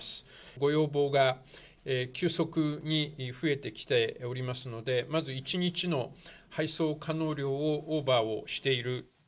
ご要望が急速に増えてきておりますので、まず１日の配送可能量をオーバーをしている。